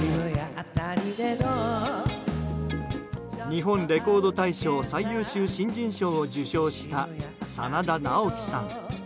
日本レコード大賞最優秀新人賞を受賞した真田ナオキさん。